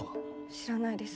知らないです。